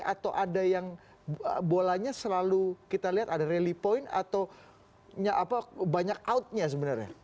atau ada yang bolanya selalu kita lihat ada rally point atau banyak outnya sebenarnya